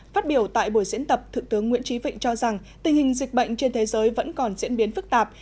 phát biểu tại buổi diễn tập thượng tướng nguyễn trí vịnh cho rằng tình hình dịch bệnh trên thế giới vẫn còn diễn biến phức tạp